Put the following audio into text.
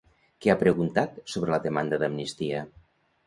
Què ha preguntat sobre la demanda d'Amnistia?